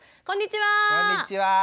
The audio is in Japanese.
こんにちは。